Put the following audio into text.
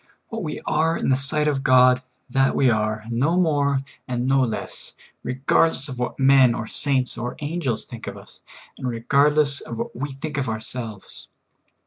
What w^e are in the sight of God, that we are, no more and no less, regard 52 SOUL FOOD. less of what men or saints or angels think of us, and regardless of what we think of ourselves.